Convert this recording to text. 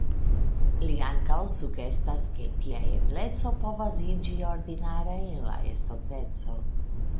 Li ankaŭ sugestas ke tia ebleco povas iĝi ordinara en la estonteco.